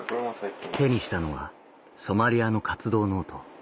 手にしたのはソマリアの活動ノート